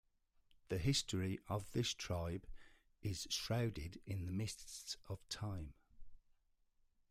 The history of this tribe is shrouded in the mists of time.